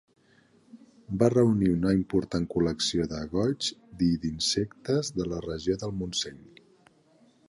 Va reunir una important col·lecció de goigs i d'insectes de la regió del Montseny.